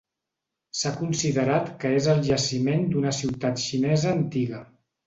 S'ha considerat que és el jaciment d'una ciutat xinesa antiga.